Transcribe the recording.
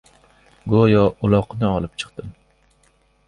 Go‘yo uloqni olib chiqdim!